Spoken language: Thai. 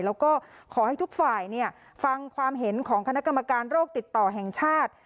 แล้วก็ขอให้ทุกฝ่ายฟังความเห็นของคณะกรรมการโรคติดต่อแห่งชาติ